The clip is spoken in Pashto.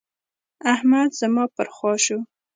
احمد زما پر خوا شو.